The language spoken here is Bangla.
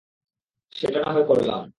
সেটা না হয় করলাম।